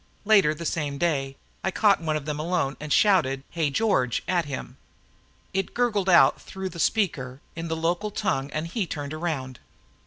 Later the same day, I caught one of them alone and shouted "Hey, George!" at him. It gurgled out through the speaker in the local tongue and he turned around.